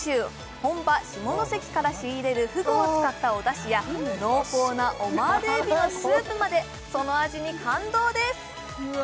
本場下関から仕入れるふぐを使ったおだしや濃厚なオマール海老のスープまでその味に感動ですうわ